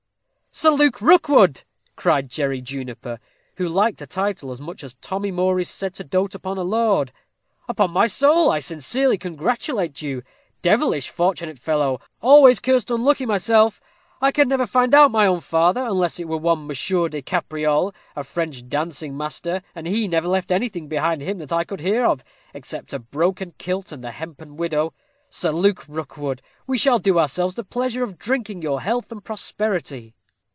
"Sir Luke Rookwood!" cried Jerry Juniper, who liked a title as much as Tommy Moore is said to dote upon a lord. "Upon my soul I sincerely congratulate you; devilish fortunate fellow. Always cursed unlucky myself. I could never find out my own father, unless it were one Monsieur des Capriolles, a French dancing master, and he never left anything behind him that I could hear of, except a broken kit and a hempen widow. Sir Luke Rookwood, we shall do ourselves the pleasure of drinking your health and prosperity."